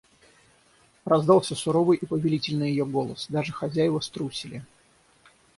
Раздался суровый и повелительный ее голос; даже хозяева струсили.